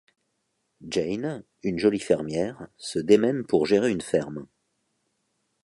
Jane, une jolie fermière, se démène pour gérer une ferme.